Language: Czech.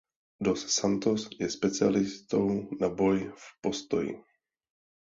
Dos Santos je specialistou na boj v postoji.